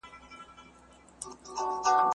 درناوی د انسانیت بنسټ دی.